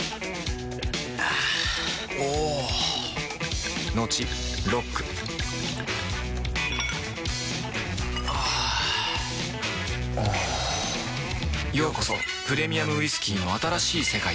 あぁおぉトクトクあぁおぉようこそプレミアムウイスキーの新しい世界へ